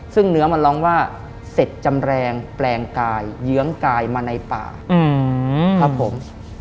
ซึ่งเนื้อมันร้องว่าเสร็จจำแรงแปลงกายเยื้องกายมาในป่าครับผม